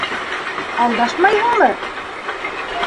Алдашмайһыңмы?